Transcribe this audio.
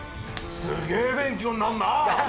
すげえ勉強になんなぁ！